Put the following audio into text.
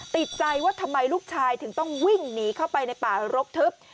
ติดใจว่าทำไมลูกชายถึงต้องวิ่งหนีเข้าไปในป่ารกทึบ